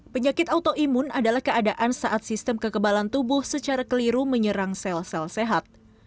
penyakit autoimun adalah keadaan saat sistem kekebalan tubuh secara keliru menyerang sel sel sehat